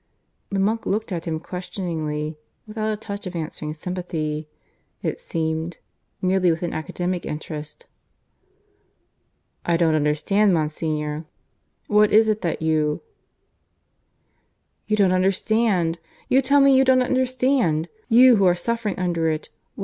The monk looked at him questioningly without a touch of answering sympathy, it seemed merely with an academic interest. "I don't understand, Monsignor. What is it that you " "You don't understand! You tell me you don't understand! You who are suffering under it!